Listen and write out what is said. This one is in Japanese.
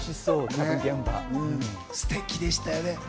すてきでしたね。